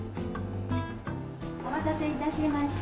お待たせ致しました。